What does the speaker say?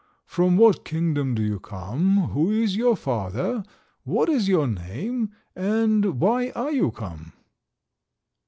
From what kingdom do you come? Who is your father? What is your name? and why are you come?"